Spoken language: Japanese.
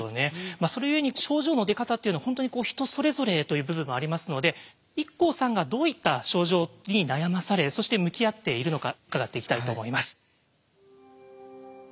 それ故に症状の出方っていうのは本当にこう人それぞれという部分もありますのでＩＫＫＯさんがどういった症状に悩まされそして向き合っているのか伺っていきたいと思います。